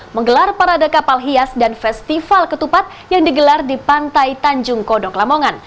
menggelar parade kapal hias dan festival ketupat yang digelar di pantai tanjung kodok lamongan